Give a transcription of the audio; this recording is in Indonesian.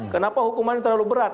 kenapa hukuman ini terlalu berat